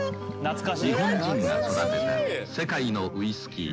日本人が育てた世界のウイスキー。